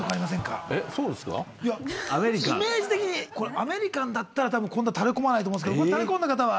アメリカンだったらたぶんたれ込まないと思うんですけどたれ込んだ方は？